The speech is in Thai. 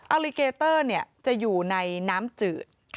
ลิเกเตอร์จะอยู่ในน้ำจืด